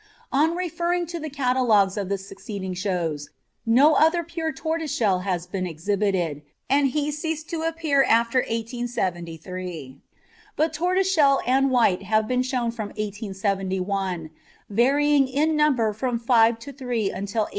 On referring to the catalogues of the succeeding shows, no other pure tortoiseshell has been exhibited, and he ceased to appear after 1873; but tortoiseshell and white have been shown from 1871, varying in number from five to three until 1885.